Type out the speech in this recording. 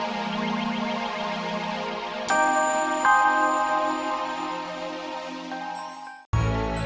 sampai kamu buka mulut